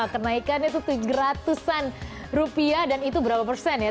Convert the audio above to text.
kenaikan itu tujuh ratus an rupiah dan itu berapa persen ya